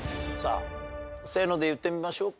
「せーの」で言ってみましょうか。